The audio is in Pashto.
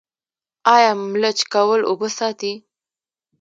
آیا ملچ کول اوبه ساتي؟